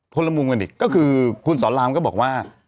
ละมุมกันอีกก็คือคุณสอนรามก็บอกว่า